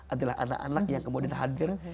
adalah anak anak yang kemudian hadir